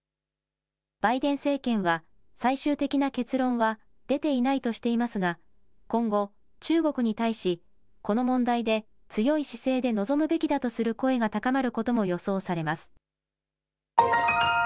バイデン政権は最終的な結論は出ていないとしていますが今後、中国に対しこの問題で強い姿勢で臨むべきだとする声が高まることも予想されます。